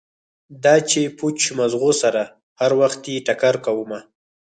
دا چې پوچ مغزو سره هروختې ټکر کومه